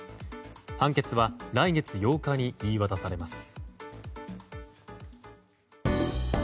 判決は来月８日に言い渡されます。